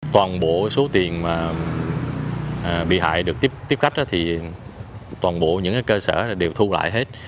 toàn bộ số tiền bị hại được tiếp khách thì toàn bộ những cơ sở đều thu lại hết